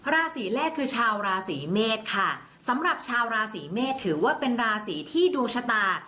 ราศีแรกคือชาวราศีเมษค่ะสำหรับชาวราศีเมษถือว่าเป็นราศีที่ดวงชะตา